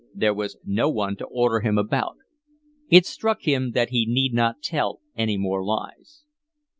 There was no one to order him about. It struck him that he need not tell any more lies.